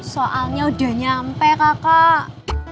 soalnya udah nyampe kakak